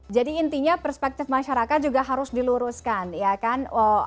jadi intinya perspektif masyarakat juga harus diluruskan ya kan